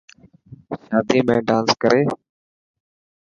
شادي ۾ ڊانس ڪري.